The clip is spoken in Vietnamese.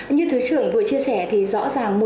như thứ trưởng vừa chia sẻ thì rõ ràng